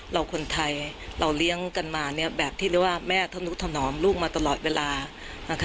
เราคนไทยเราเลี้ยงกันมาแบบที่เรียกว่าแม่ธนุถนอมลูกมาตลอดเวลา